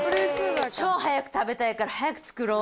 超早く食べたいから早く作ろう。